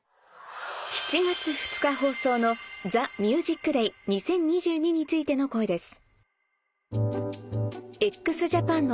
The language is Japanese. ７月２日放送の『ＴＨＥＭＵＳＩＣＤＡＹ２０２２』についての声です